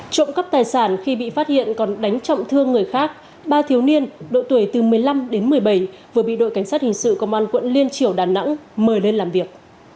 trộm cắp tài sản khi bị phát hiện còn đánh trọng thương người khác ba thiếu niên độ tuổi từ một mươi năm đến một mươi bảy vừa bị đội cảnh sát hình sự công an quận liên triều đà nẵng mời lên làm việc